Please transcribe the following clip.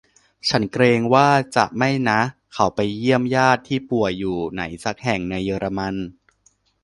ฉันเกรงว่าจะไม่นะ เขาไปเยี่ยมญาติที่ป่วยอยู่ที่ไหนสักแห่งในเยอรมัน